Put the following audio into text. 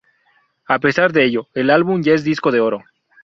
A pesar de ello, el álbum ya es disco de oro.